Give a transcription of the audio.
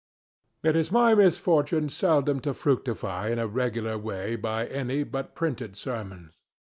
It is my misfortune seldom to fructify in a regular way by any but printed sermons.